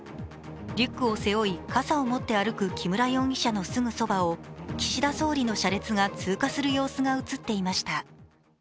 リュックを背負い、傘を持って歩く木村容疑者のすぐそばを岸田総理の車列が通過する様子が映っていました。